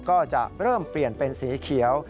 ก็จะเริ่มเปลี่ยนเป็นสีเขียว